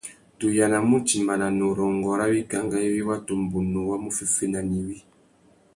Tu yānamú utimbāna nà urrôngô râ wikangá iwí watu mbunu wá mú féffena nà iwí.